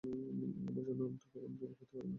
আমরা জানি, অনন্তের কখনও বিভাগ হইতে পারে না।